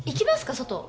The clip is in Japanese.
外？